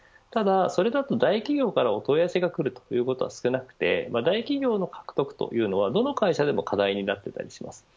ただ、それだと大企業からお問い合わせがくるということは少なくて大企業の獲得というのはどの会社でも課題になっています。